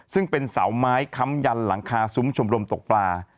ซึ่งเป็นเสาไม้ค้ำยันหลังคาซุ้มชมรมตกปลา